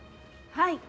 はい。